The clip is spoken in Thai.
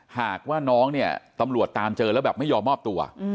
หากว่าน้องเนี่ยตำรวจตามเจอแล้วแบบไม่ยอมมอบตัว